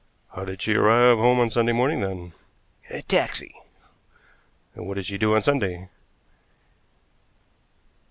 "How did she arrive home on Sunday morning, then?" "In a taxi." "And what did she do on Sunday?"